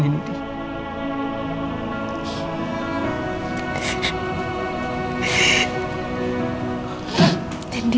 ninde masih hidup